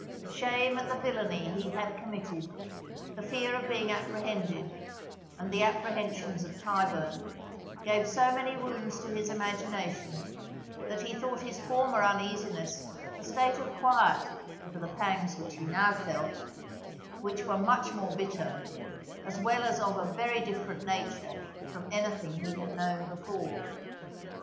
Shame at the villainy he had committed, the fear of being apprehended, and the apprehensions of Tyburn, gave so many wounds to his imagination that he thought his former uneasiness a state of quiet to the pangs which he now felt, which were much more bitter, as well as of a very different nature from anything he had known before.